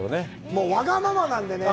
もう、わがままなんでね。